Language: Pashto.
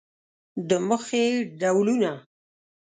د موخې ډولونه